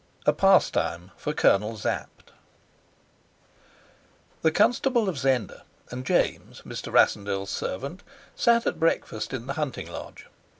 A PASTIME FOR COLONEL SAPT THE Constable of Zenda and James, Mr. Rassendyll's servant, sat at breakfast in the hunting lodge.